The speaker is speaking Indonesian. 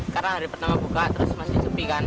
karena hari pertama buka terus masih sepi kan